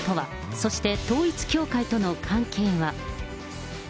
そして、統一教会との関係は。